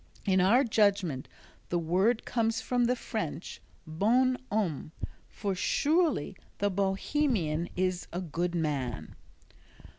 In our judgment the word comes from the French "Bon Homme," for surely the Bohemian is a "good man."